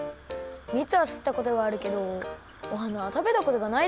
みつはすったことがあるけどお花は食べたことがないです。